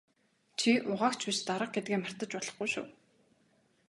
Чи угаагч биш дарга гэдгээ мартаж болохгүй шүү.